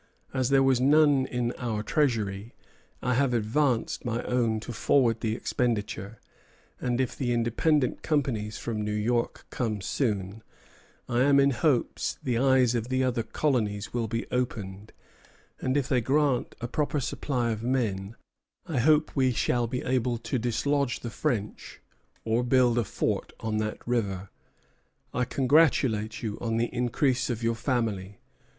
As there was none in our treasury, I have advanced my own to forward the expedition; and if the independent companies from New York come soon, I am in hopes the eyes of the other colonies will be opened; and if they grant a proper supply of men, I hope we shall be able to dislodge the French or build a fort on that river. I congratulate you on the increase of your family.